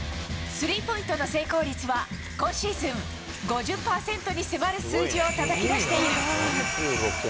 スリーポイントの成功率は今シーズン５０％に迫る数字をたたき出している。